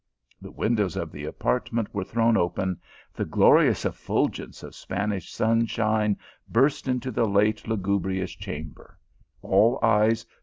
The windows of the apartment were thrown open ; the glorious effulgence of Spanish sunshine burst into the late lugubrious chamber; all eyes THE ROXK OP Till: ALHAMBHA.